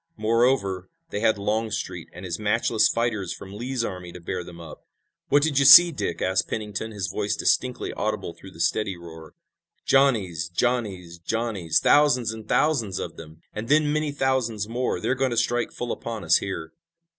Moreover, they had Longstreet and his matchless fighters from Lee's army to bear them up. "What do you see, Dick?" asked Pennington, his voice distinctly audible through the steady roar. "Johnnies! Johnnies! Johnnies! Thousands and thousands of them and then many thousands more. They're going to strike full upon us here!"